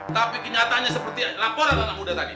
tapi kenyataannya seperti laporan anak muda tadi